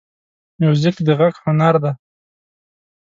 موزیک د غږ هنر دی.